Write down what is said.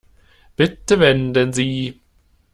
Bitte wenden Sie.